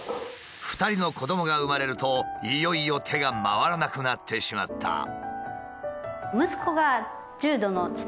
２人の子どもが生まれるといよいよ手が回らなくなってしまった。